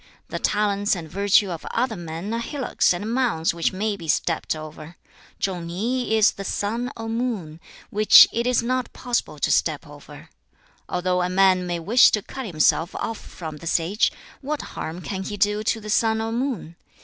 The talents and virtue of other men are hillocks and mounds which may be stepped over. Chung ni is the sun or moon, which it is not possible to step over. Although a man may wish to cut himself off from the sage, what harm can he do to the sun or moon?